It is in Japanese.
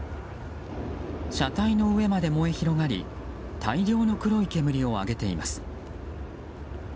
車体の上まで燃え広がり大量の黒い煙を上げています。